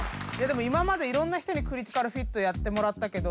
今までいろんな人にクリティカルフィットやってもらったけど。